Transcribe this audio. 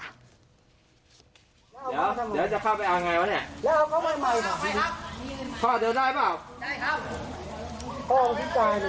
เดี๋ยวจะเข้าไปอ่ะไงวะเนี่ยเข้าไปครับพ่อเดี๋ยวได้เปล่าได้ครับ